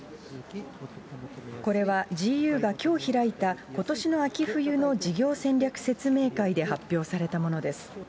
これはＧＵがきょう開いたことしの秋冬の事業戦略説明会で発表されたものです。